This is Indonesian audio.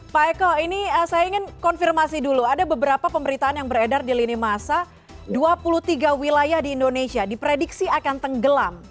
pak eko ini saya ingin konfirmasi dulu ada beberapa pemberitaan yang beredar di lini masa dua puluh tiga wilayah di indonesia diprediksi akan tenggelam